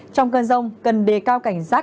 trong cơn rông cần đề cao cảnh giác